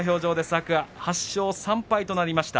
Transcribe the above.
天空海８勝３敗となりました。